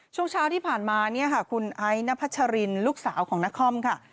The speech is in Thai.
ช่องเช้าที่ผ่านมาเนี่ยนะคะคุณไอณพชรินลูกสาวของนักค่อมคะ